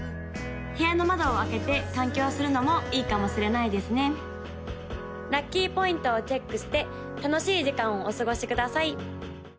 部屋の窓を開けて換気をするのもいいかもしれないですね・ラッキーポイントをチェックして楽しい時間をお過ごしください！